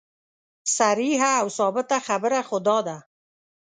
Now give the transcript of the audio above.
صریحه او ثابته خبره خو دا ده.